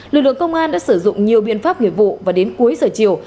lực lượng công an đã sử dụng nhiều biện pháp nghiệp vụ và đến cuối giờ chiều